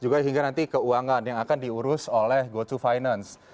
dan nanti keuangan yang akan diurus oleh goto finance